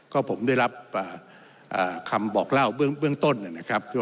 ก็ผมได้รับคำบอกเล่าเบื้องต้นนะครับ